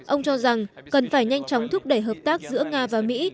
ông cho rằng cần phải nhanh chóng thúc đẩy hợp tác giữa nga và mỹ